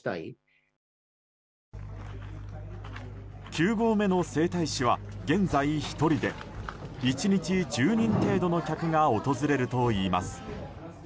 ９合目の整体師は現在１人で１日１０人程度の客が訪れるといいます。